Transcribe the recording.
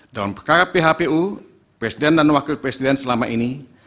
dalam perkara phpu presiden dan wakil presiden selama ini